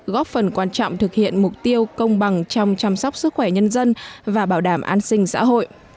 và bảo đảm thực hiện mục tiêu công bằng trong chăm sóc sức khỏe nhân dân và bảo đảm an sinh xã hội